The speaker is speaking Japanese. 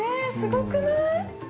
すごくない？